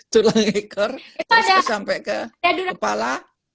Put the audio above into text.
tulang ekor sampai ke kepala